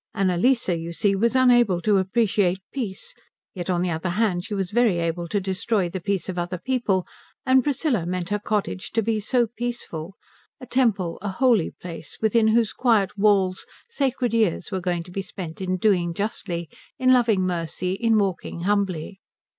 Annalise, you see, was unable to appreciate peace, yet on the other hand she was very able to destroy the peace of other people; and Priscilla meant her cottage to be so peaceful a temple, a holy place, within whose quiet walls sacred years were going to be spent in doing justly, in loving mercy, in walking humbly.